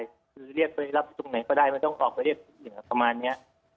คือเรียกไปรับตรงไหนก็ได้มันต้องออกไปเรียกประมาณนี้